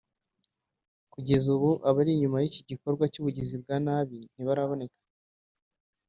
Kugeza ubu abari inyuma y’ iki gikorwa cy’ubugizi bwa nabi ntibaraboneka